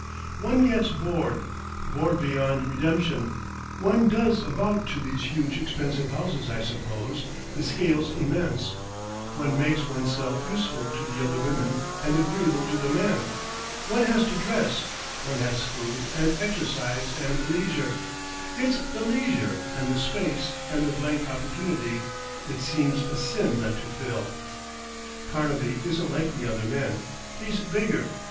"One gets bored, bored beyond redemption. One does about to these huge expensive houses I suppose—the scale's immense. One makes one's self useful to the other women, and agreeable to the men. One has to dress.... One has food and exercise and leisure, It's the leisure, and the space, and the blank opportunity it seems a sin not to fill. Carnaby isn't like the other men. He's bigger....